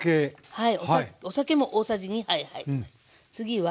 はい。